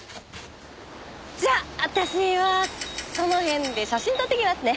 じゃあ私はその辺で写真撮ってきますね。